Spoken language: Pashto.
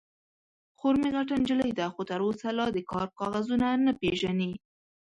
_خور مې غټه نجلۍ ده، خو تر اوسه لا د کار کاغذونه نه پېژني.